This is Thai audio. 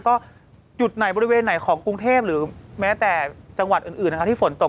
ก็จุดไหนบริเวณไหนของกรุงเทพหรือแม้แต่จังหวัดอื่นนะคะที่ฝนตก